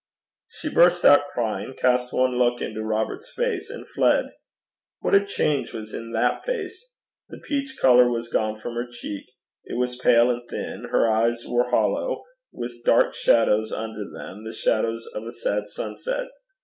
She burst out crying, cast one look into Robert's face, and fled. What a change was in that face? The peach colour was gone from her cheek; it was pale and thin. Her eyes were hollow, with dark shadows under them, the shadows of a sad sunset.